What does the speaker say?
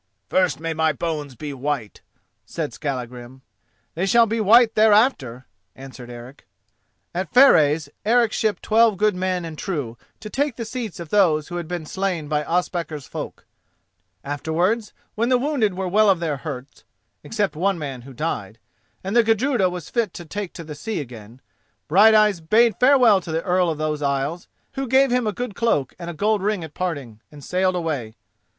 "First may my bones be white," said Skallagrim. "They shall be white thereafter," answered Eric. At Fareys Eric shipped twelve good men and true, to take the seats of those who had been slain by Ospakar's folk. Afterwards, when the wounded were well of their hurts (except one man who died), and the Gudruda was made fit to take the sea again, Brighteyes bade farewell to the Earl of those Isles, who gave him a good cloak and a gold ring at parting, and sailed away.